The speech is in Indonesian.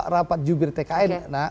rapat jubir tkn